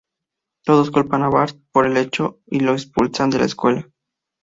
Todos culpan a Bart por el hecho y lo expulsan de la escuela.